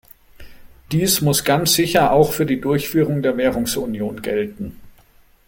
Dies muss ganz sicher auch für die Durchführung der Währungsunion gelten.